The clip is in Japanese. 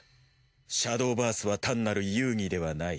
シャドウバースは単なる遊戯ではない。